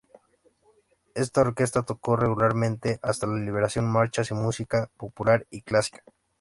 Esta orquesta tocó regularmente hasta la liberación marchas y música popular y clásica.